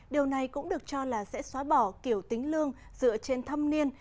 điều này cũng được cho là sẽ xóa bỏ kiểu tính lương dựa trên thâm niên